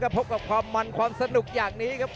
พบกับความมันความสนุกอย่างนี้ครับ